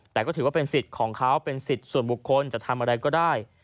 แต่ก็ถือว่าเป็นสิทธิ์ของเขาเป็นสิทธิ์ส่วนบุคคลจะทำอะไรก็ได้